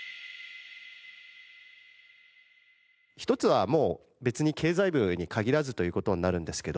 １つはもう別に経済部に限らずという事になるんですけど。